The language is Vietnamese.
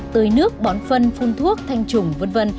tới nước bón phân phun thuốc thanh trùng v v